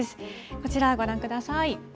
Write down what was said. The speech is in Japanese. こちらご覧ください。